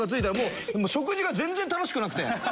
食事が全然楽しくなくて！